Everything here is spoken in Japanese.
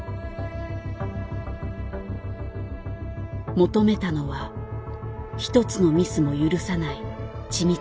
求めたのは一つのミスも許さない緻密な野球。